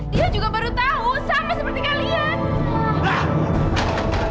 dia juga baru tahu sama seperti kalian